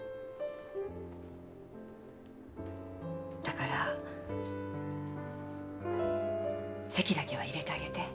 だから籍だけは入れてあげて。